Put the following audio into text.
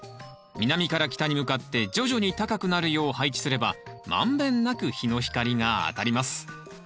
南から北に向かって徐々に高くなるよう配置すれば満遍なく日の光が当たります